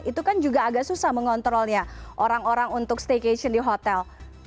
itu kan juga agak susah mengontrolnya orang orang untuk staycation di hotel